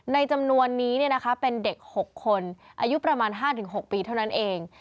จำนวนนี้เป็นเด็ก๖คนอายุประมาณ๕๖ปีเท่านั้นเอง